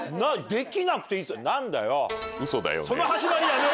できなくていいって何だよ？